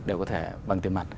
đều có thể bằng tiền mặt